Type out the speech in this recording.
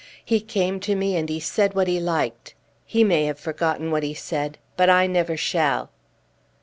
He came to me and he said what he liked; he may have forgotten what he said, but I never shall."